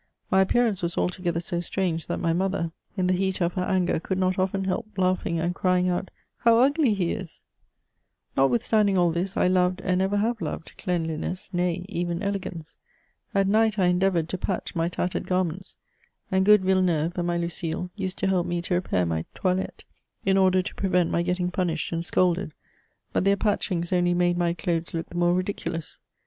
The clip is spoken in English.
My appear ance was altogether so strange, that my mother, in the heat of F 2 68 MEMOIRS OF her anger, could not often help laughing and crying out :•* How ugly he is !" Notwithstanding all this« I loved^ and ever have loved cleanliness^ nay« even elegance. At night, I endeavoured to patch my tattered garments, and good Villeneuve and my Lucile used to help me to repair my toilette^ in order to pre vent my getting punished and scolded ; hut their patchings only made my clothes look the more ridiculous.